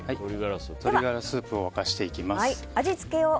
鶏ガラスープを沸かしていきます。